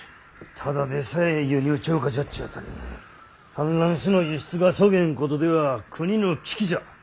ただでさえ輸入超過じゃっちゅうとに蚕卵紙の輸出がそげんことでは国の危機じゃ！